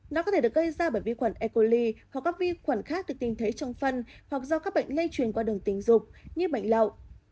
nó có thể được gây ra bởi vi khuẩn ecoli hoặc các vi khuẩn khác được tìm thấy trong phân hoặc do các bệnh lây truyền qua đường tình dục như bệnh lậu